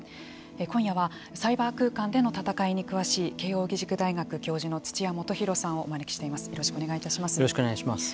今夜は、サイバー空間での戦いに詳しい、慶應義塾大学教授の土屋大洋さんをお招きしています。